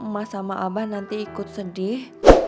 mas sama abah nanti ikut sedih